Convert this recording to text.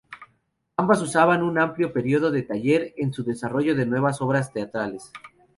Ambas usaban un amplio período de taller en su desarrollo de nuevas obras teatrales.